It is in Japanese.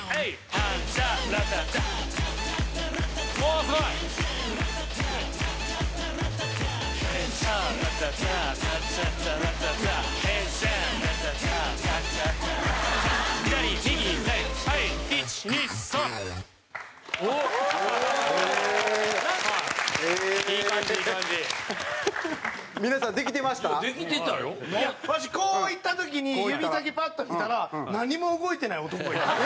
いやわしこういった時に指先パッと見たら何も動いてない男がいた。